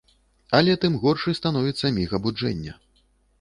Але тым горшы становіцца міг абуджэння.